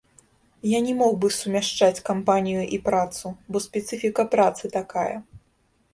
Я не мог бы сумяшчаць кампанію і працу, бо спецыфіка працы такая.